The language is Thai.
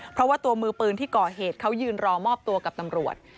เพราะว่าตัวมือปืนที่ก่อเหตุเขายืนรอมอบตัวกับตำรวจ